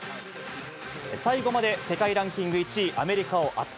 最後まで世界ランキング１位、アメリカを圧倒。